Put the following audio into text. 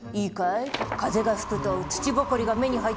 風が吹くと土ぼこりが目に入って目が見えなくなる。